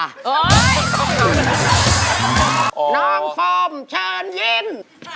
น้องฟอร์มเชิญยิน